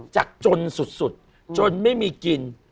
จากจนสุดจนไม่มีกิน